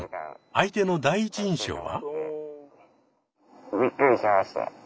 相手の第一印象は？